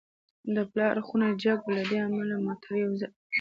د پله اړخونه جګ و، له دې امله موټر یو ځل.